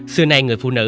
xưa nay người phụ nữ